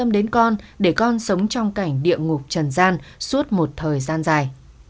để con sống trong cảnh địa ngục trần gian suốt một thời gian dài